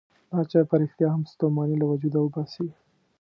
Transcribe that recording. دا چای په رښتیا هم ستوماني له وجوده وباسي.